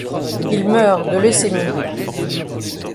Il meurt de leucémie.